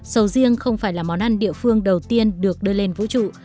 sầu riêng không phải là món ăn địa phương đầu tiên được đưa lên vũ trụ